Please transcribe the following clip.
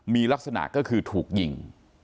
มีลักษณะก็คือถูกยิง